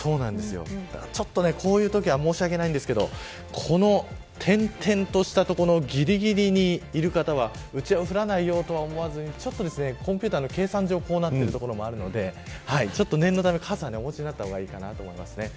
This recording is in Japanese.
こういうときは申し訳ないですけど点々とした所のぎりぎりにいる方はうちは降らないよとは思わずにコンピューターの計算上こうなってる所もあるので念のため傘を持った方がいいと思います。